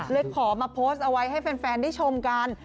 เลยขอมาโพสต์เอาไว้ให้แฟนได้ชมกัน